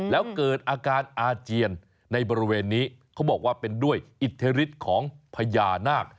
แล้วเกิดอาการอาเจียนในบริเวณนี้เขาบอกว่าเป็นด้วยอิทธิฤทธิ์ของพญานาค